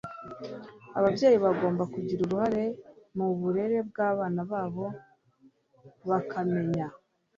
ababyeyi bagomba kugira uruhare mu burere bw'abana babo, bakamenya